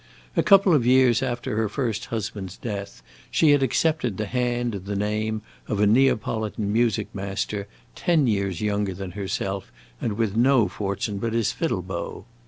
A couple of years after her first husband's death, she had accepted the hand and the name of a Neapolitan music master, ten years younger than herself, and with no fortune but his fiddle bow.